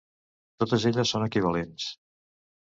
Totes elles són equivalents.